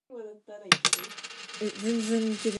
There are no incorporated settlements.